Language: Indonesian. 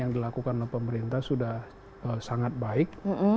yang dilakukan oleh pemerintah sudah sangat baik